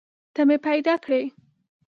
ته مې پیدا کړي